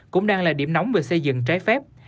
cũng đang là điểm nóng về xây dựng trái phép